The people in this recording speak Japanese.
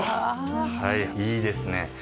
はいいいですね。